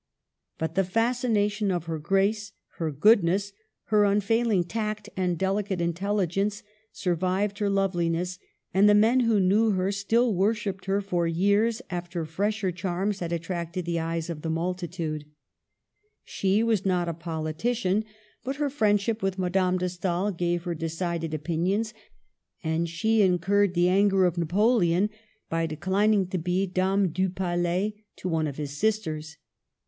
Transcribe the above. But the fascination of her grace, her goodness, her unfailing tact and deli cate intelligence survived her loveliness ; and the men who knew her still worshipped her for years after fresher charms had attracted the eyes of the multitude. She was not a politician, but her Digitized by VjOOQLC NEW FACES A T COPPET. 1 1 5 friendship with Madame de Stael gave her de cided opinions, and she incurred the anger of Napoleon by declining to be Dame du Palais to one of his sisters.